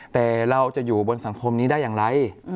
แต่เราจะอยู่บนสังคมนี้ได้อย่างไร